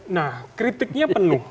nah kritiknya penuh